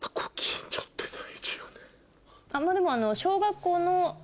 でも。